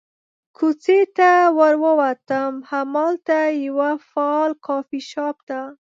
کوڅې ته ور ووتم، همالته یوه فعال کافي شاپ ته.